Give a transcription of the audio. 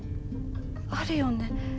あるよね？